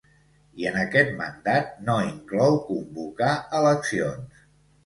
I en aquest mandat no inclou convocar eleccions.